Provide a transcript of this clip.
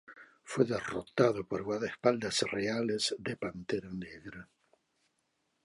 Fue derrotado por guardaespaldas reales de Pantera Negra.